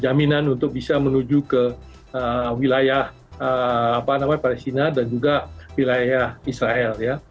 jaminan untuk bisa menuju ke wilayah palestina dan juga wilayah israel